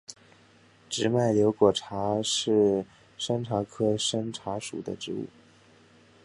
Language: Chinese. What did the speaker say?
直脉瘤果茶是山茶科山茶属的植物。